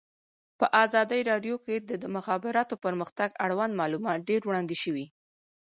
په ازادي راډیو کې د د مخابراتو پرمختګ اړوند معلومات ډېر وړاندې شوي.